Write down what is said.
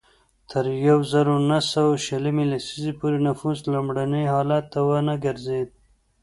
تر یوه زرو نهه سوه شلمې لسیزې پورې نفوس لومړني حالت ته ونه ګرځېد.